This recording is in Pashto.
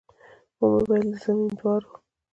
ومې ويل د زمينداورو.